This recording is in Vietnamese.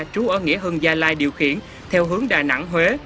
chú ở nghĩa hưng gia lai điều khiển theo hướng đà nẵng huế